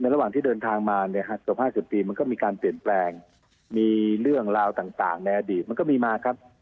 ระหว่างที่เดินทางมาเนี่ยเกือบ๕๐ปีมันก็มีการเปลี่ยนแปลงมีเรื่องราวต่างในอดีตมันก็มีมาครับ